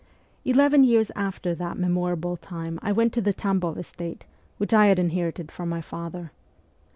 Eleven years after that memorable time I went to the Tambov estate, which I had inherited from my father.